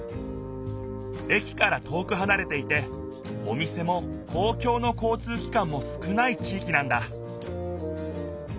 駅から遠くはなれていてお店も公共の交通機関も少ない地いきなんだ